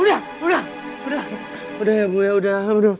udah udah udah ya ibu ya udah